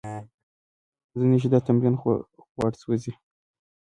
څنګه منځنی شدت تمرین غوړ سوځوي؟